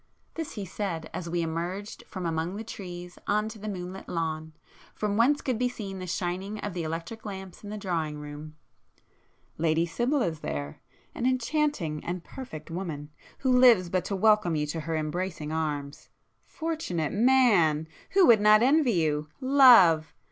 this he said as we emerged from among the trees on to the moonlit lawn, from whence could be seen the shining of the electric lamps in the drawing room—"Lady Sibyl is there,—an enchanting and perfect woman, who lives but to welcome you to her embracing arms! Fortunate man!—who would not envy you! Love!